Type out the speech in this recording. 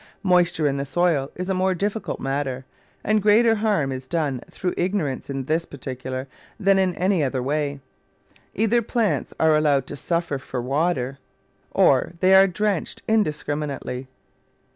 Moisture in the soil is a more difficult matter, and greater harm is done through ignorance in this particular than in any other way. Either plants are allowed to suffer for water, or they are drenched indiscriminately.